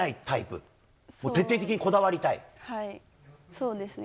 そうですね。